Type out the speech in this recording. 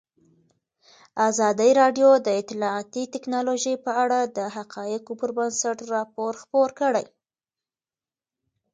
ازادي راډیو د اطلاعاتی تکنالوژي په اړه د حقایقو پر بنسټ راپور خپور کړی.